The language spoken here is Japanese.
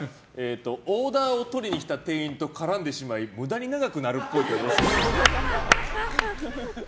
オーダーを取りに来た店員と絡んでしまい無駄に長くなるっぽい。